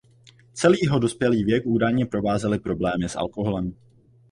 Celý jeho dospělý věk údajně provázely problémy s alkoholem.